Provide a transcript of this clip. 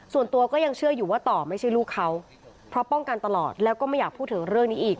ส่วนตัวก็ยังเชื่ออยู่ว่าต่อไม่ใช่ลูกเขาเพราะป้องกันตลอดแล้วก็ไม่อยากพูดถึงเรื่องนี้อีก